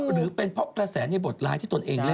หรือเป็นเพราะกระแสในบทร้ายที่ตนเองเล่น